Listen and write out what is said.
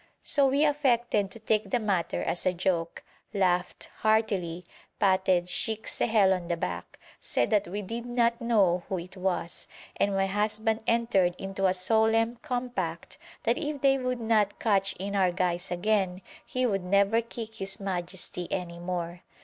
So we affected to take the matter as a joke, laughed heartily, patted Sheikh Sehel on the back, said that we did not know who it was, and my husband entered into a solemn compact that if they would not catch in our guys again, he would never kick his majesty any more.